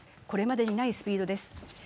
これまでにないスピードです。